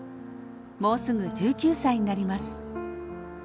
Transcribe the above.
もうすぐ１９歳になります。